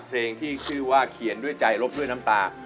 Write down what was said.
เพลงที่ชื่อว่าเขียนด้วยใจลบด้วยน้ำตา